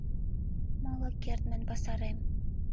Мый уло кертмын васарем.